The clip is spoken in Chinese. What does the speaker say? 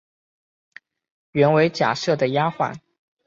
原为贾赦的丫环。